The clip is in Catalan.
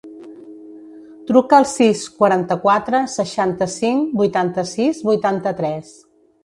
Truca al sis, quaranta-quatre, seixanta-cinc, vuitanta-sis, vuitanta-tres.